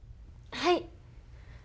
はい。